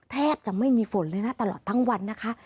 แทบจะไม่มีฝนเลยนะตลอดทั้งวันนะคะ